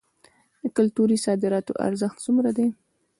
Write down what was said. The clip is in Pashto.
د کلتوري صادراتو ارزښت څومره دی؟